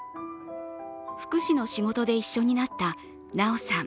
福祉の仕事で一緒になった奈央さん。